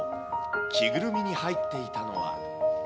着ぐるみに入っていたのは。